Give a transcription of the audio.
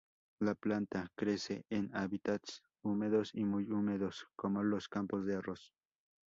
La planta crece en hábitats húmedos y muy húmedos, como los campos de arroz.